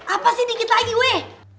apa sih dikit lagi weh